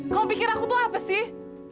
kau pikir aku tuh apa sih